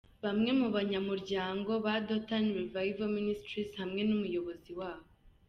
Bamwe mu banyamuryango ba Dothan Revival Ministries hamwe n’umuyobozi wabo.